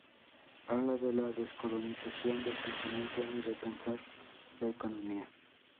Habla de la descolonización del pensamiento y repensar la economía.